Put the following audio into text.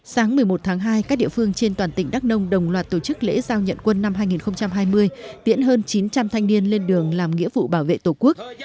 sáng một mươi một tháng hai các địa phương trên toàn tỉnh đắk nông đồng loạt tổ chức lễ giao nhận quân năm hai nghìn hai mươi tiễn hơn chín trăm linh thanh niên lên đường làm nghĩa vụ bảo vệ tổ quốc